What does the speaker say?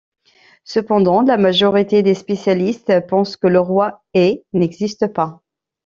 Cependant, la majorité des spécialistes pense que le roi Ai n'existe pas.